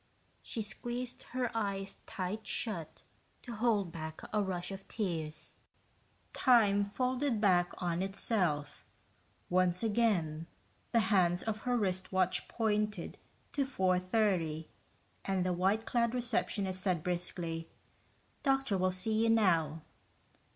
She squeezed her eyes tight shut to hold back a rush of tears. Time folded back on itself. Once again, the hands of her wristwatch pointed to 4:30 and the white clad receptionist said briskly, "Doctor will see you now."